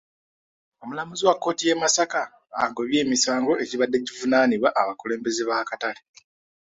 Omulamuzi wa kkooti y'e Masaka agobye emisango egibadde givunaanibwa abakulembeze b'akatale.